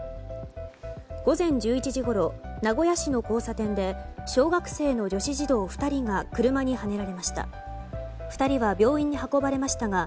午前１１時ごろ名古屋市の交差点で小学生の女子児童２人が車にはねられました。